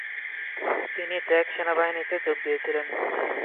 তিনি চেক সেনাবাহিনীতে যোগ দিয়েছিলেন।